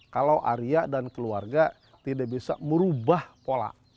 kalau arya dan keluarga tidak bisa merubah pola